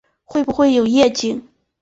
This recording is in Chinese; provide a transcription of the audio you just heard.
会不会有夜景